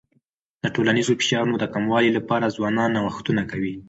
د ټولنیزو فشارونو د کمولو لپاره ځوانان نوښتونه کوي.